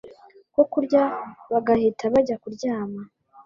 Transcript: ko kurya bagahita bajya kuryama.